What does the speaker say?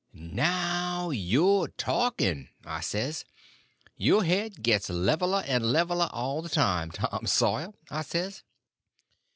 "Now you're talking!" I says; "your head gets leveler and leveler all the time, Tom Sawyer," I says.